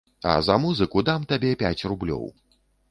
А за музыку дам табе пяць рублёў.